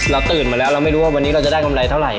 ตื่นมาแล้วเราไม่รู้ว่าวันนี้เราจะได้กำไรเท่าไห